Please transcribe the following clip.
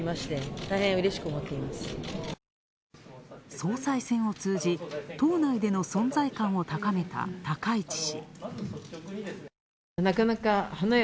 総裁選を通じ、党内での存在感を高めた高市氏。